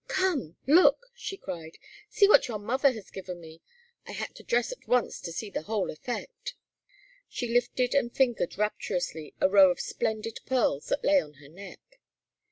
"Come! Look!" she cried. "See what your mother has given me. I had to dress at once to see the whole effect." She lifted and fingered rapturously a row of splendid pearls that lay on her neck.